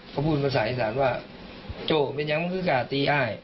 เขาพูดภาษาอินสารว่าโจ๊กเป็นอย่างมันคือกะตีอ้าย